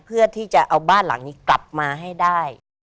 เพื่อที่จะเอาบ้านหลังนี้กลับมาให้ได้